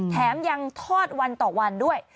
แถมยังทอดวันต่อวันด้วย